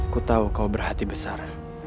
kutahu kau berhati besar